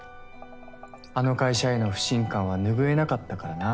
あの会社への不信感は拭えなかったからな。